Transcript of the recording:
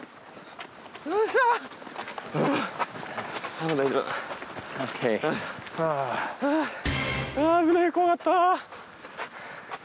危ない怖かった。